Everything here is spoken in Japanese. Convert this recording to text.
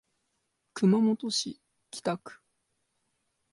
熊本市北区